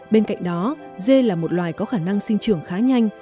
bên cạnh đó dê là một loài có khả năng sinh trưởng khá nhanh